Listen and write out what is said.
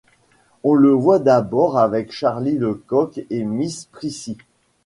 On le voit d'abord avec Charlie le coq et Miss Prissy.